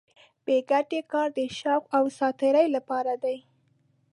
بې ګټې کار د شوق او ساتېرۍ لپاره دی.